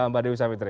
mbak dewi safitri